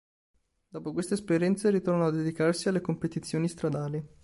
Dopo queste esperienze ritornò a dedicarsi alle competizioni stradali.